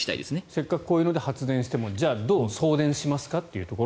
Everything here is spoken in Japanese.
せっかくこういうので発電してもじゃあ、どう送電しますかと。